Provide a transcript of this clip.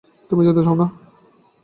তুমি যেতে চাও না?